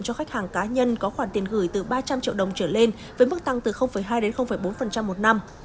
cho khách hàng cá nhân có khoản tiền gửi từ ba trăm linh triệu đồng trở lên với mức tăng từ hai đến bốn một năm